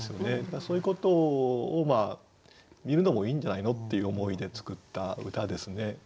そういうことを見るのもいいんじゃないの？っていう思いで作った歌ですね。